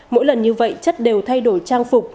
mỗi lần như vậy chất đều thay đổi trang phục